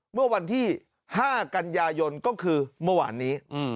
เมื่อวันที่๕กันยายนก็คือเมื่อวานนี้